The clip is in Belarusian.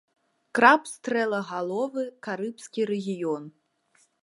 Краб стрэлагаловы, карыбскі рэгіён.